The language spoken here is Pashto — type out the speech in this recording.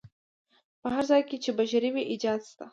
په هر ځای کې چې بشر وي ایجاد شته.